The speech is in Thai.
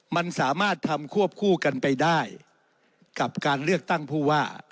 มันสามารถทำควบคู่กันไปได้กับการเลือกตั้งผู้ว่า